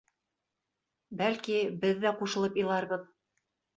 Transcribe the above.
Бәлки, беҙ ҙә ҡушылып иларбыҙ.